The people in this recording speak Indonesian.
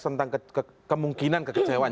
tentang kemungkinan kekecewaan